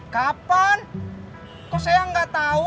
kapan kok saya nggak tahu